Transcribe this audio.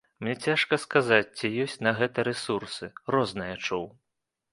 Мне цяжка сказаць, ці ёсць на гэта рэсурсы, рознае чуў.